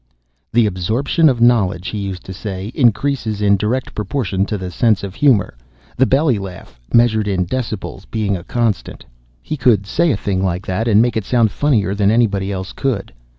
"The absorption of knowledge," he used to say, "increases in direct proportion to the sense of humor the belly laugh, measured in decibels, being constant." He could say a thing like that and make it sound funnier than anybody else could.